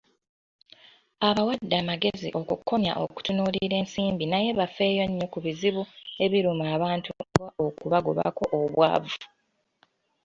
Abawadde amagezi okukomya okutunuulira ensimbi naye bafeeyo nnyo ku bizibu ebiruma abantu ng'okubagobako obwavu.